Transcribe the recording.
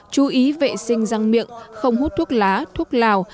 chú ý vệ sinh răng miệng không hút thuốc lá thuốc lào